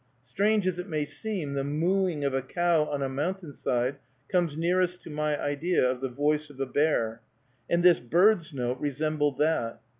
Strange as it may seem, the "mooing" of a cow on a mountain side comes nearest to my idea of the voice of a bear; and this bird's note resembled that.